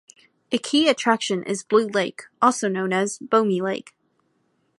A key attraction is Blue Lake, also known as Bomi Lake.